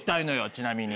ちなみに。